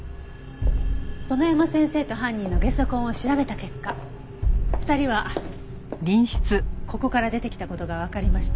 園山先生と犯人のゲソ痕を調べた結果２人はここから出てきた事がわかりました。